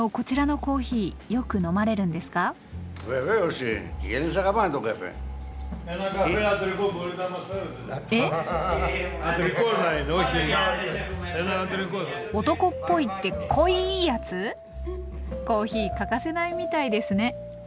コーヒー欠かせないみたいですね。